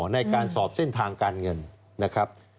ในการสอบเส้นทางการเงินนะครับ